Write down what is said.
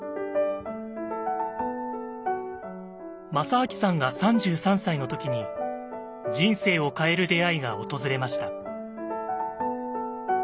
正明さんが３３歳の時に人生を変える出会いが訪れました。